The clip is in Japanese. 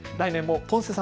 来年もポンセさん